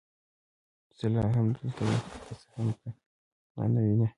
زه لا هم دلته یم، که څه هم ته ما نه وینې.